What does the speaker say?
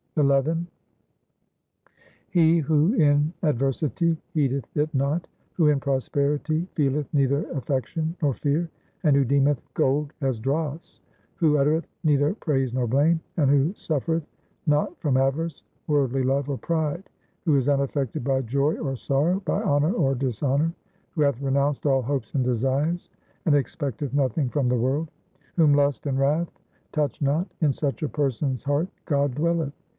XI He who in adversity heedeth it not, Who in prosperity feeleth neither affection nor fear, and who deemeth gold as dross ; Who uttereth neither praise nor blame, and who suffereth not from avarice, worldly love, or pride ; Who is unaffected by joy or sorrow, by honour or dis honour ; Who hath renounced all hopes and desires, and expecteth nothing from the world ; Whom lust and wrath touch not — in such a person's heart God dwelleth.